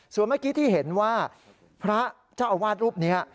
ส่วนเมื่อกี้ที่เห็นว่าพระเจ้าอาวาสรูปนี้